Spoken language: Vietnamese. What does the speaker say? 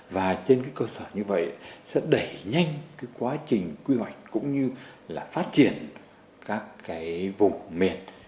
và trên cái cơ sở như vậy sẽ đẩy nhanh cái quá trình quy hoạch cũng như là phát triển các cái vùng miền